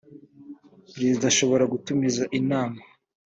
perezida ashobora gutumiza inama.